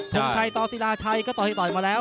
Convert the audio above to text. ทุ่มชัยตอสิราชัยก็ต่อยมาแล้ว